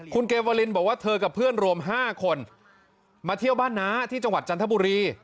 คุณเกวาลินบอกว่าเธอกับเพื่อนรวม๕คนมาเที่ยวบ้านน้าที่จังหวัดจันทบุรี